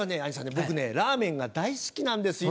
僕ラーメンが大好きなんですよ。